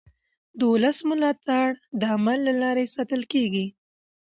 د ولس ملاتړ د عمل له لارې ساتل کېږي